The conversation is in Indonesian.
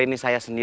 emang gak ada